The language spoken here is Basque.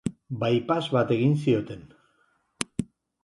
Bypass bat egin zioten.